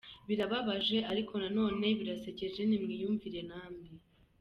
Birababaje ariko na none birasekeje nimwiyumvire namwe: